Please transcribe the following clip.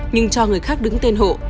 nhưng cho người khác đứng tên hộ